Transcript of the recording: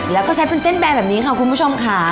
แล้วก็ใช้เป็นเส้นแบนแบบนี้ค่ะคุณผู้ชมค่ะ